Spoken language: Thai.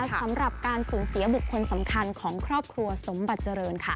สำหรับการสูญเสียบุคคลสำคัญของครอบครัวสมบัติเจริญค่ะ